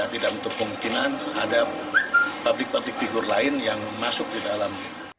tidak menutup kemungkinan ada publik public figur lain yang masuk di dalam